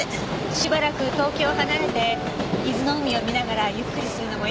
しばらく東京を離れて伊豆の海を見ながらゆっくりするのもいいかもね。